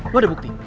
lu ada bukti